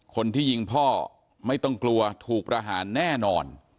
คนที่ยิงพ่อไม่ต้องกลัวถูกประหารแน่นอน